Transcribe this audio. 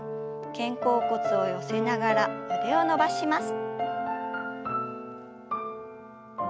肩甲骨を寄せながら腕を伸ばします。